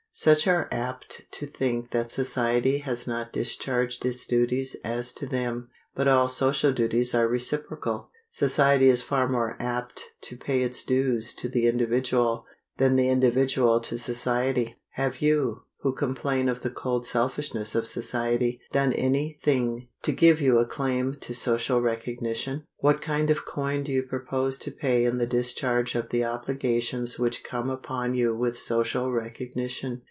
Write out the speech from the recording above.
Such are apt to think that society has not discharged its duties as to them. But all social duties are reciprocal. Society is far more apt to pay its dues to the individual than the individual to society. Have you, who complain of the cold selfishness of society, done any thing to give you a claim to social recognition? What kind of coin do you propose to pay in the discharge of the obligations which come upon you with social recognition?